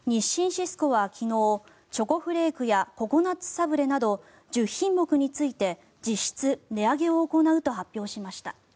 シスコは昨日チョコフレークやココナッツサブレなど１０品目について実質値上げを行うと発表しました。